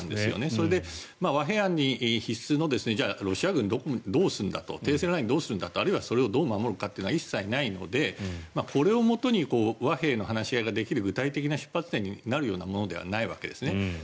それで、和平案に必須のロシア軍どうするんだと停戦ラインどうするんだとそれを守るのかというのは一切ないので和平の話し合いができる具体的な出発点にはならないわけですね。